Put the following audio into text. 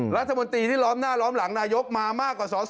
รัฐมนตรีที่ล้อมหน้าล้อมหลังนายกมามากกว่าสอสอ